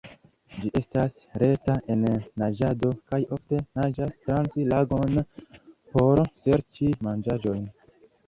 Ĝi estas lerta en naĝado kaj ofte naĝas trans lagon por serĉi manĝaĵojn.